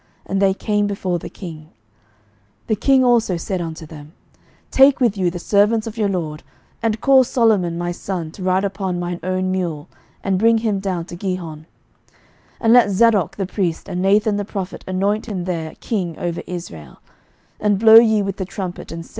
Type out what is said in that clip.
And they came before the king. 11:001:033 The king also said unto them, Take with you the servants of your lord, and cause Solomon my son to ride upon mine own mule, and bring him down to Gihon: 11:001:034 And let Zadok the priest and Nathan the prophet anoint him there king over Israel: and blow ye with the trumpet, and say, God save king Solomon.